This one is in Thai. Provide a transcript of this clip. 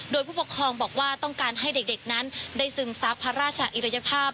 โดยผู้ปกครองบอกว่าต้องการให้เด็กนั้นได้ซึมซับพระราชอิริยภาพ